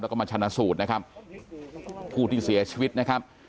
แล้วก็มาชนะสูตรนะครับผู้ที่เสียชีวิตนะครับ